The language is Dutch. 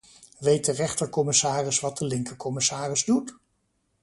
Weet de rechter commissaris wat de linker commissaris doet?